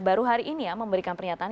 baru hari ini ya memberikan pernyataan